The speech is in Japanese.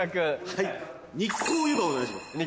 はい日光ゆばお願いします。